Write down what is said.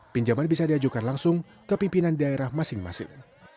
pinjaman bisa diajukan langsung ke pimpinan daerah masing masing